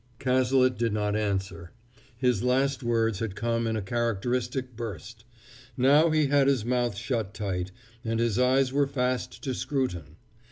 Cazalet did not answer. His last words had come in a characteristic burst; now he had his mouth shut tight, and his eyes were fast to Scruton.